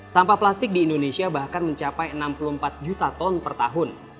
sampah plastik di indonesia bahkan mencapai enam puluh empat juta ton per tahun